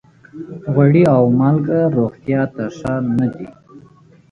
غوړي او مالګه روغتیا ته ښه نه دي.